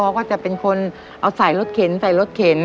ก็จะเป็นคนเอาใส่รถเข็นใส่รถเข็น